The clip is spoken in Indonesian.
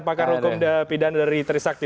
pakar hukum dan pidan dari trisakti